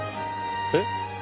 えっ？